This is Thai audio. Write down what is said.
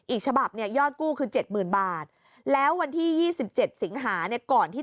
อีกฉบับเนี่ยยอดกู้คือ๗๐๐บาทแล้ววันที่๒๗สิงหาเนี่ยก่อนที่